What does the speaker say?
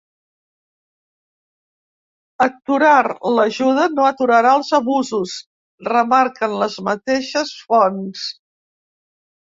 “Aturar l’ajuda no aturarà els abusos”, remarquen les mateixes fonts.